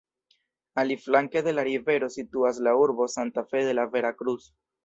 Aliflanke de la rivero situas la urbo Santa Fe de la Vera Cruz.